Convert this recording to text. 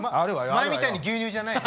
前みたいに牛乳じゃない？